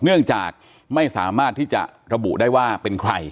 เนื่องจากไม่สามารถที่จะระบุได้ว่าเป็นใคร